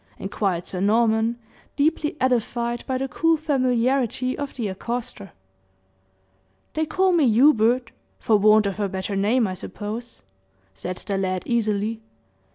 inquired Sir Norman, deeply edified by the cool familiarity of the accoster. "They call me Hubert for want of a better name, I suppose," said the lad, easily.